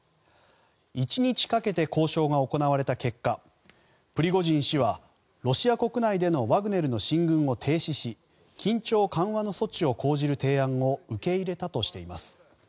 １日かけて交渉が行われた結果プリゴジン氏はロシア国内でのワグネルの進軍を停止し緊張緩和の措置を講じる提案を受け入れたとしています。